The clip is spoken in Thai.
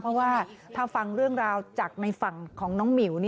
เพราะว่าถ้าฟังเรื่องราวจากในฝั่งของน้องหมิว